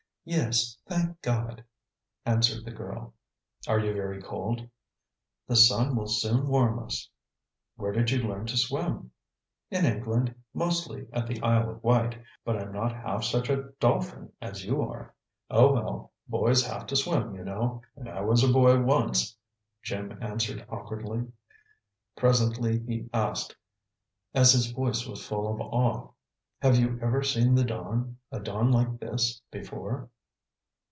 "Yes, thank God!" answered the girl. "Are you very cold?" "The sun will soon warm us." "Where did you learn to swim?" "In England, mostly at the Isle of Wight, but I'm not half such a dolphin as you are." "Oh, well, boys have to swim, you know, and I was a boy once," Jim answered awkwardly. Presently he asked, and his voice was full of awe: "Have you ever seen the dawn a dawn like this before?"